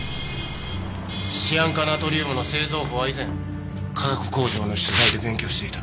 シアン化ナトリウムの製造法は以前化学工場の取材で勉強していた。